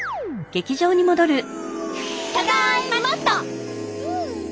ただいまっと！